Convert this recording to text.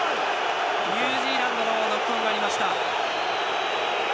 ニュージーランドにノックオンがありました。